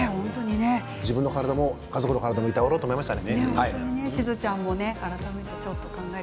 自分の体も家族の体もいたわろうと思いました。